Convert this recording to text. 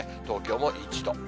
東京も１度。